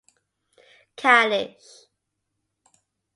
Kalish.